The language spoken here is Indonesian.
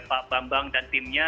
pak bambang dan timnya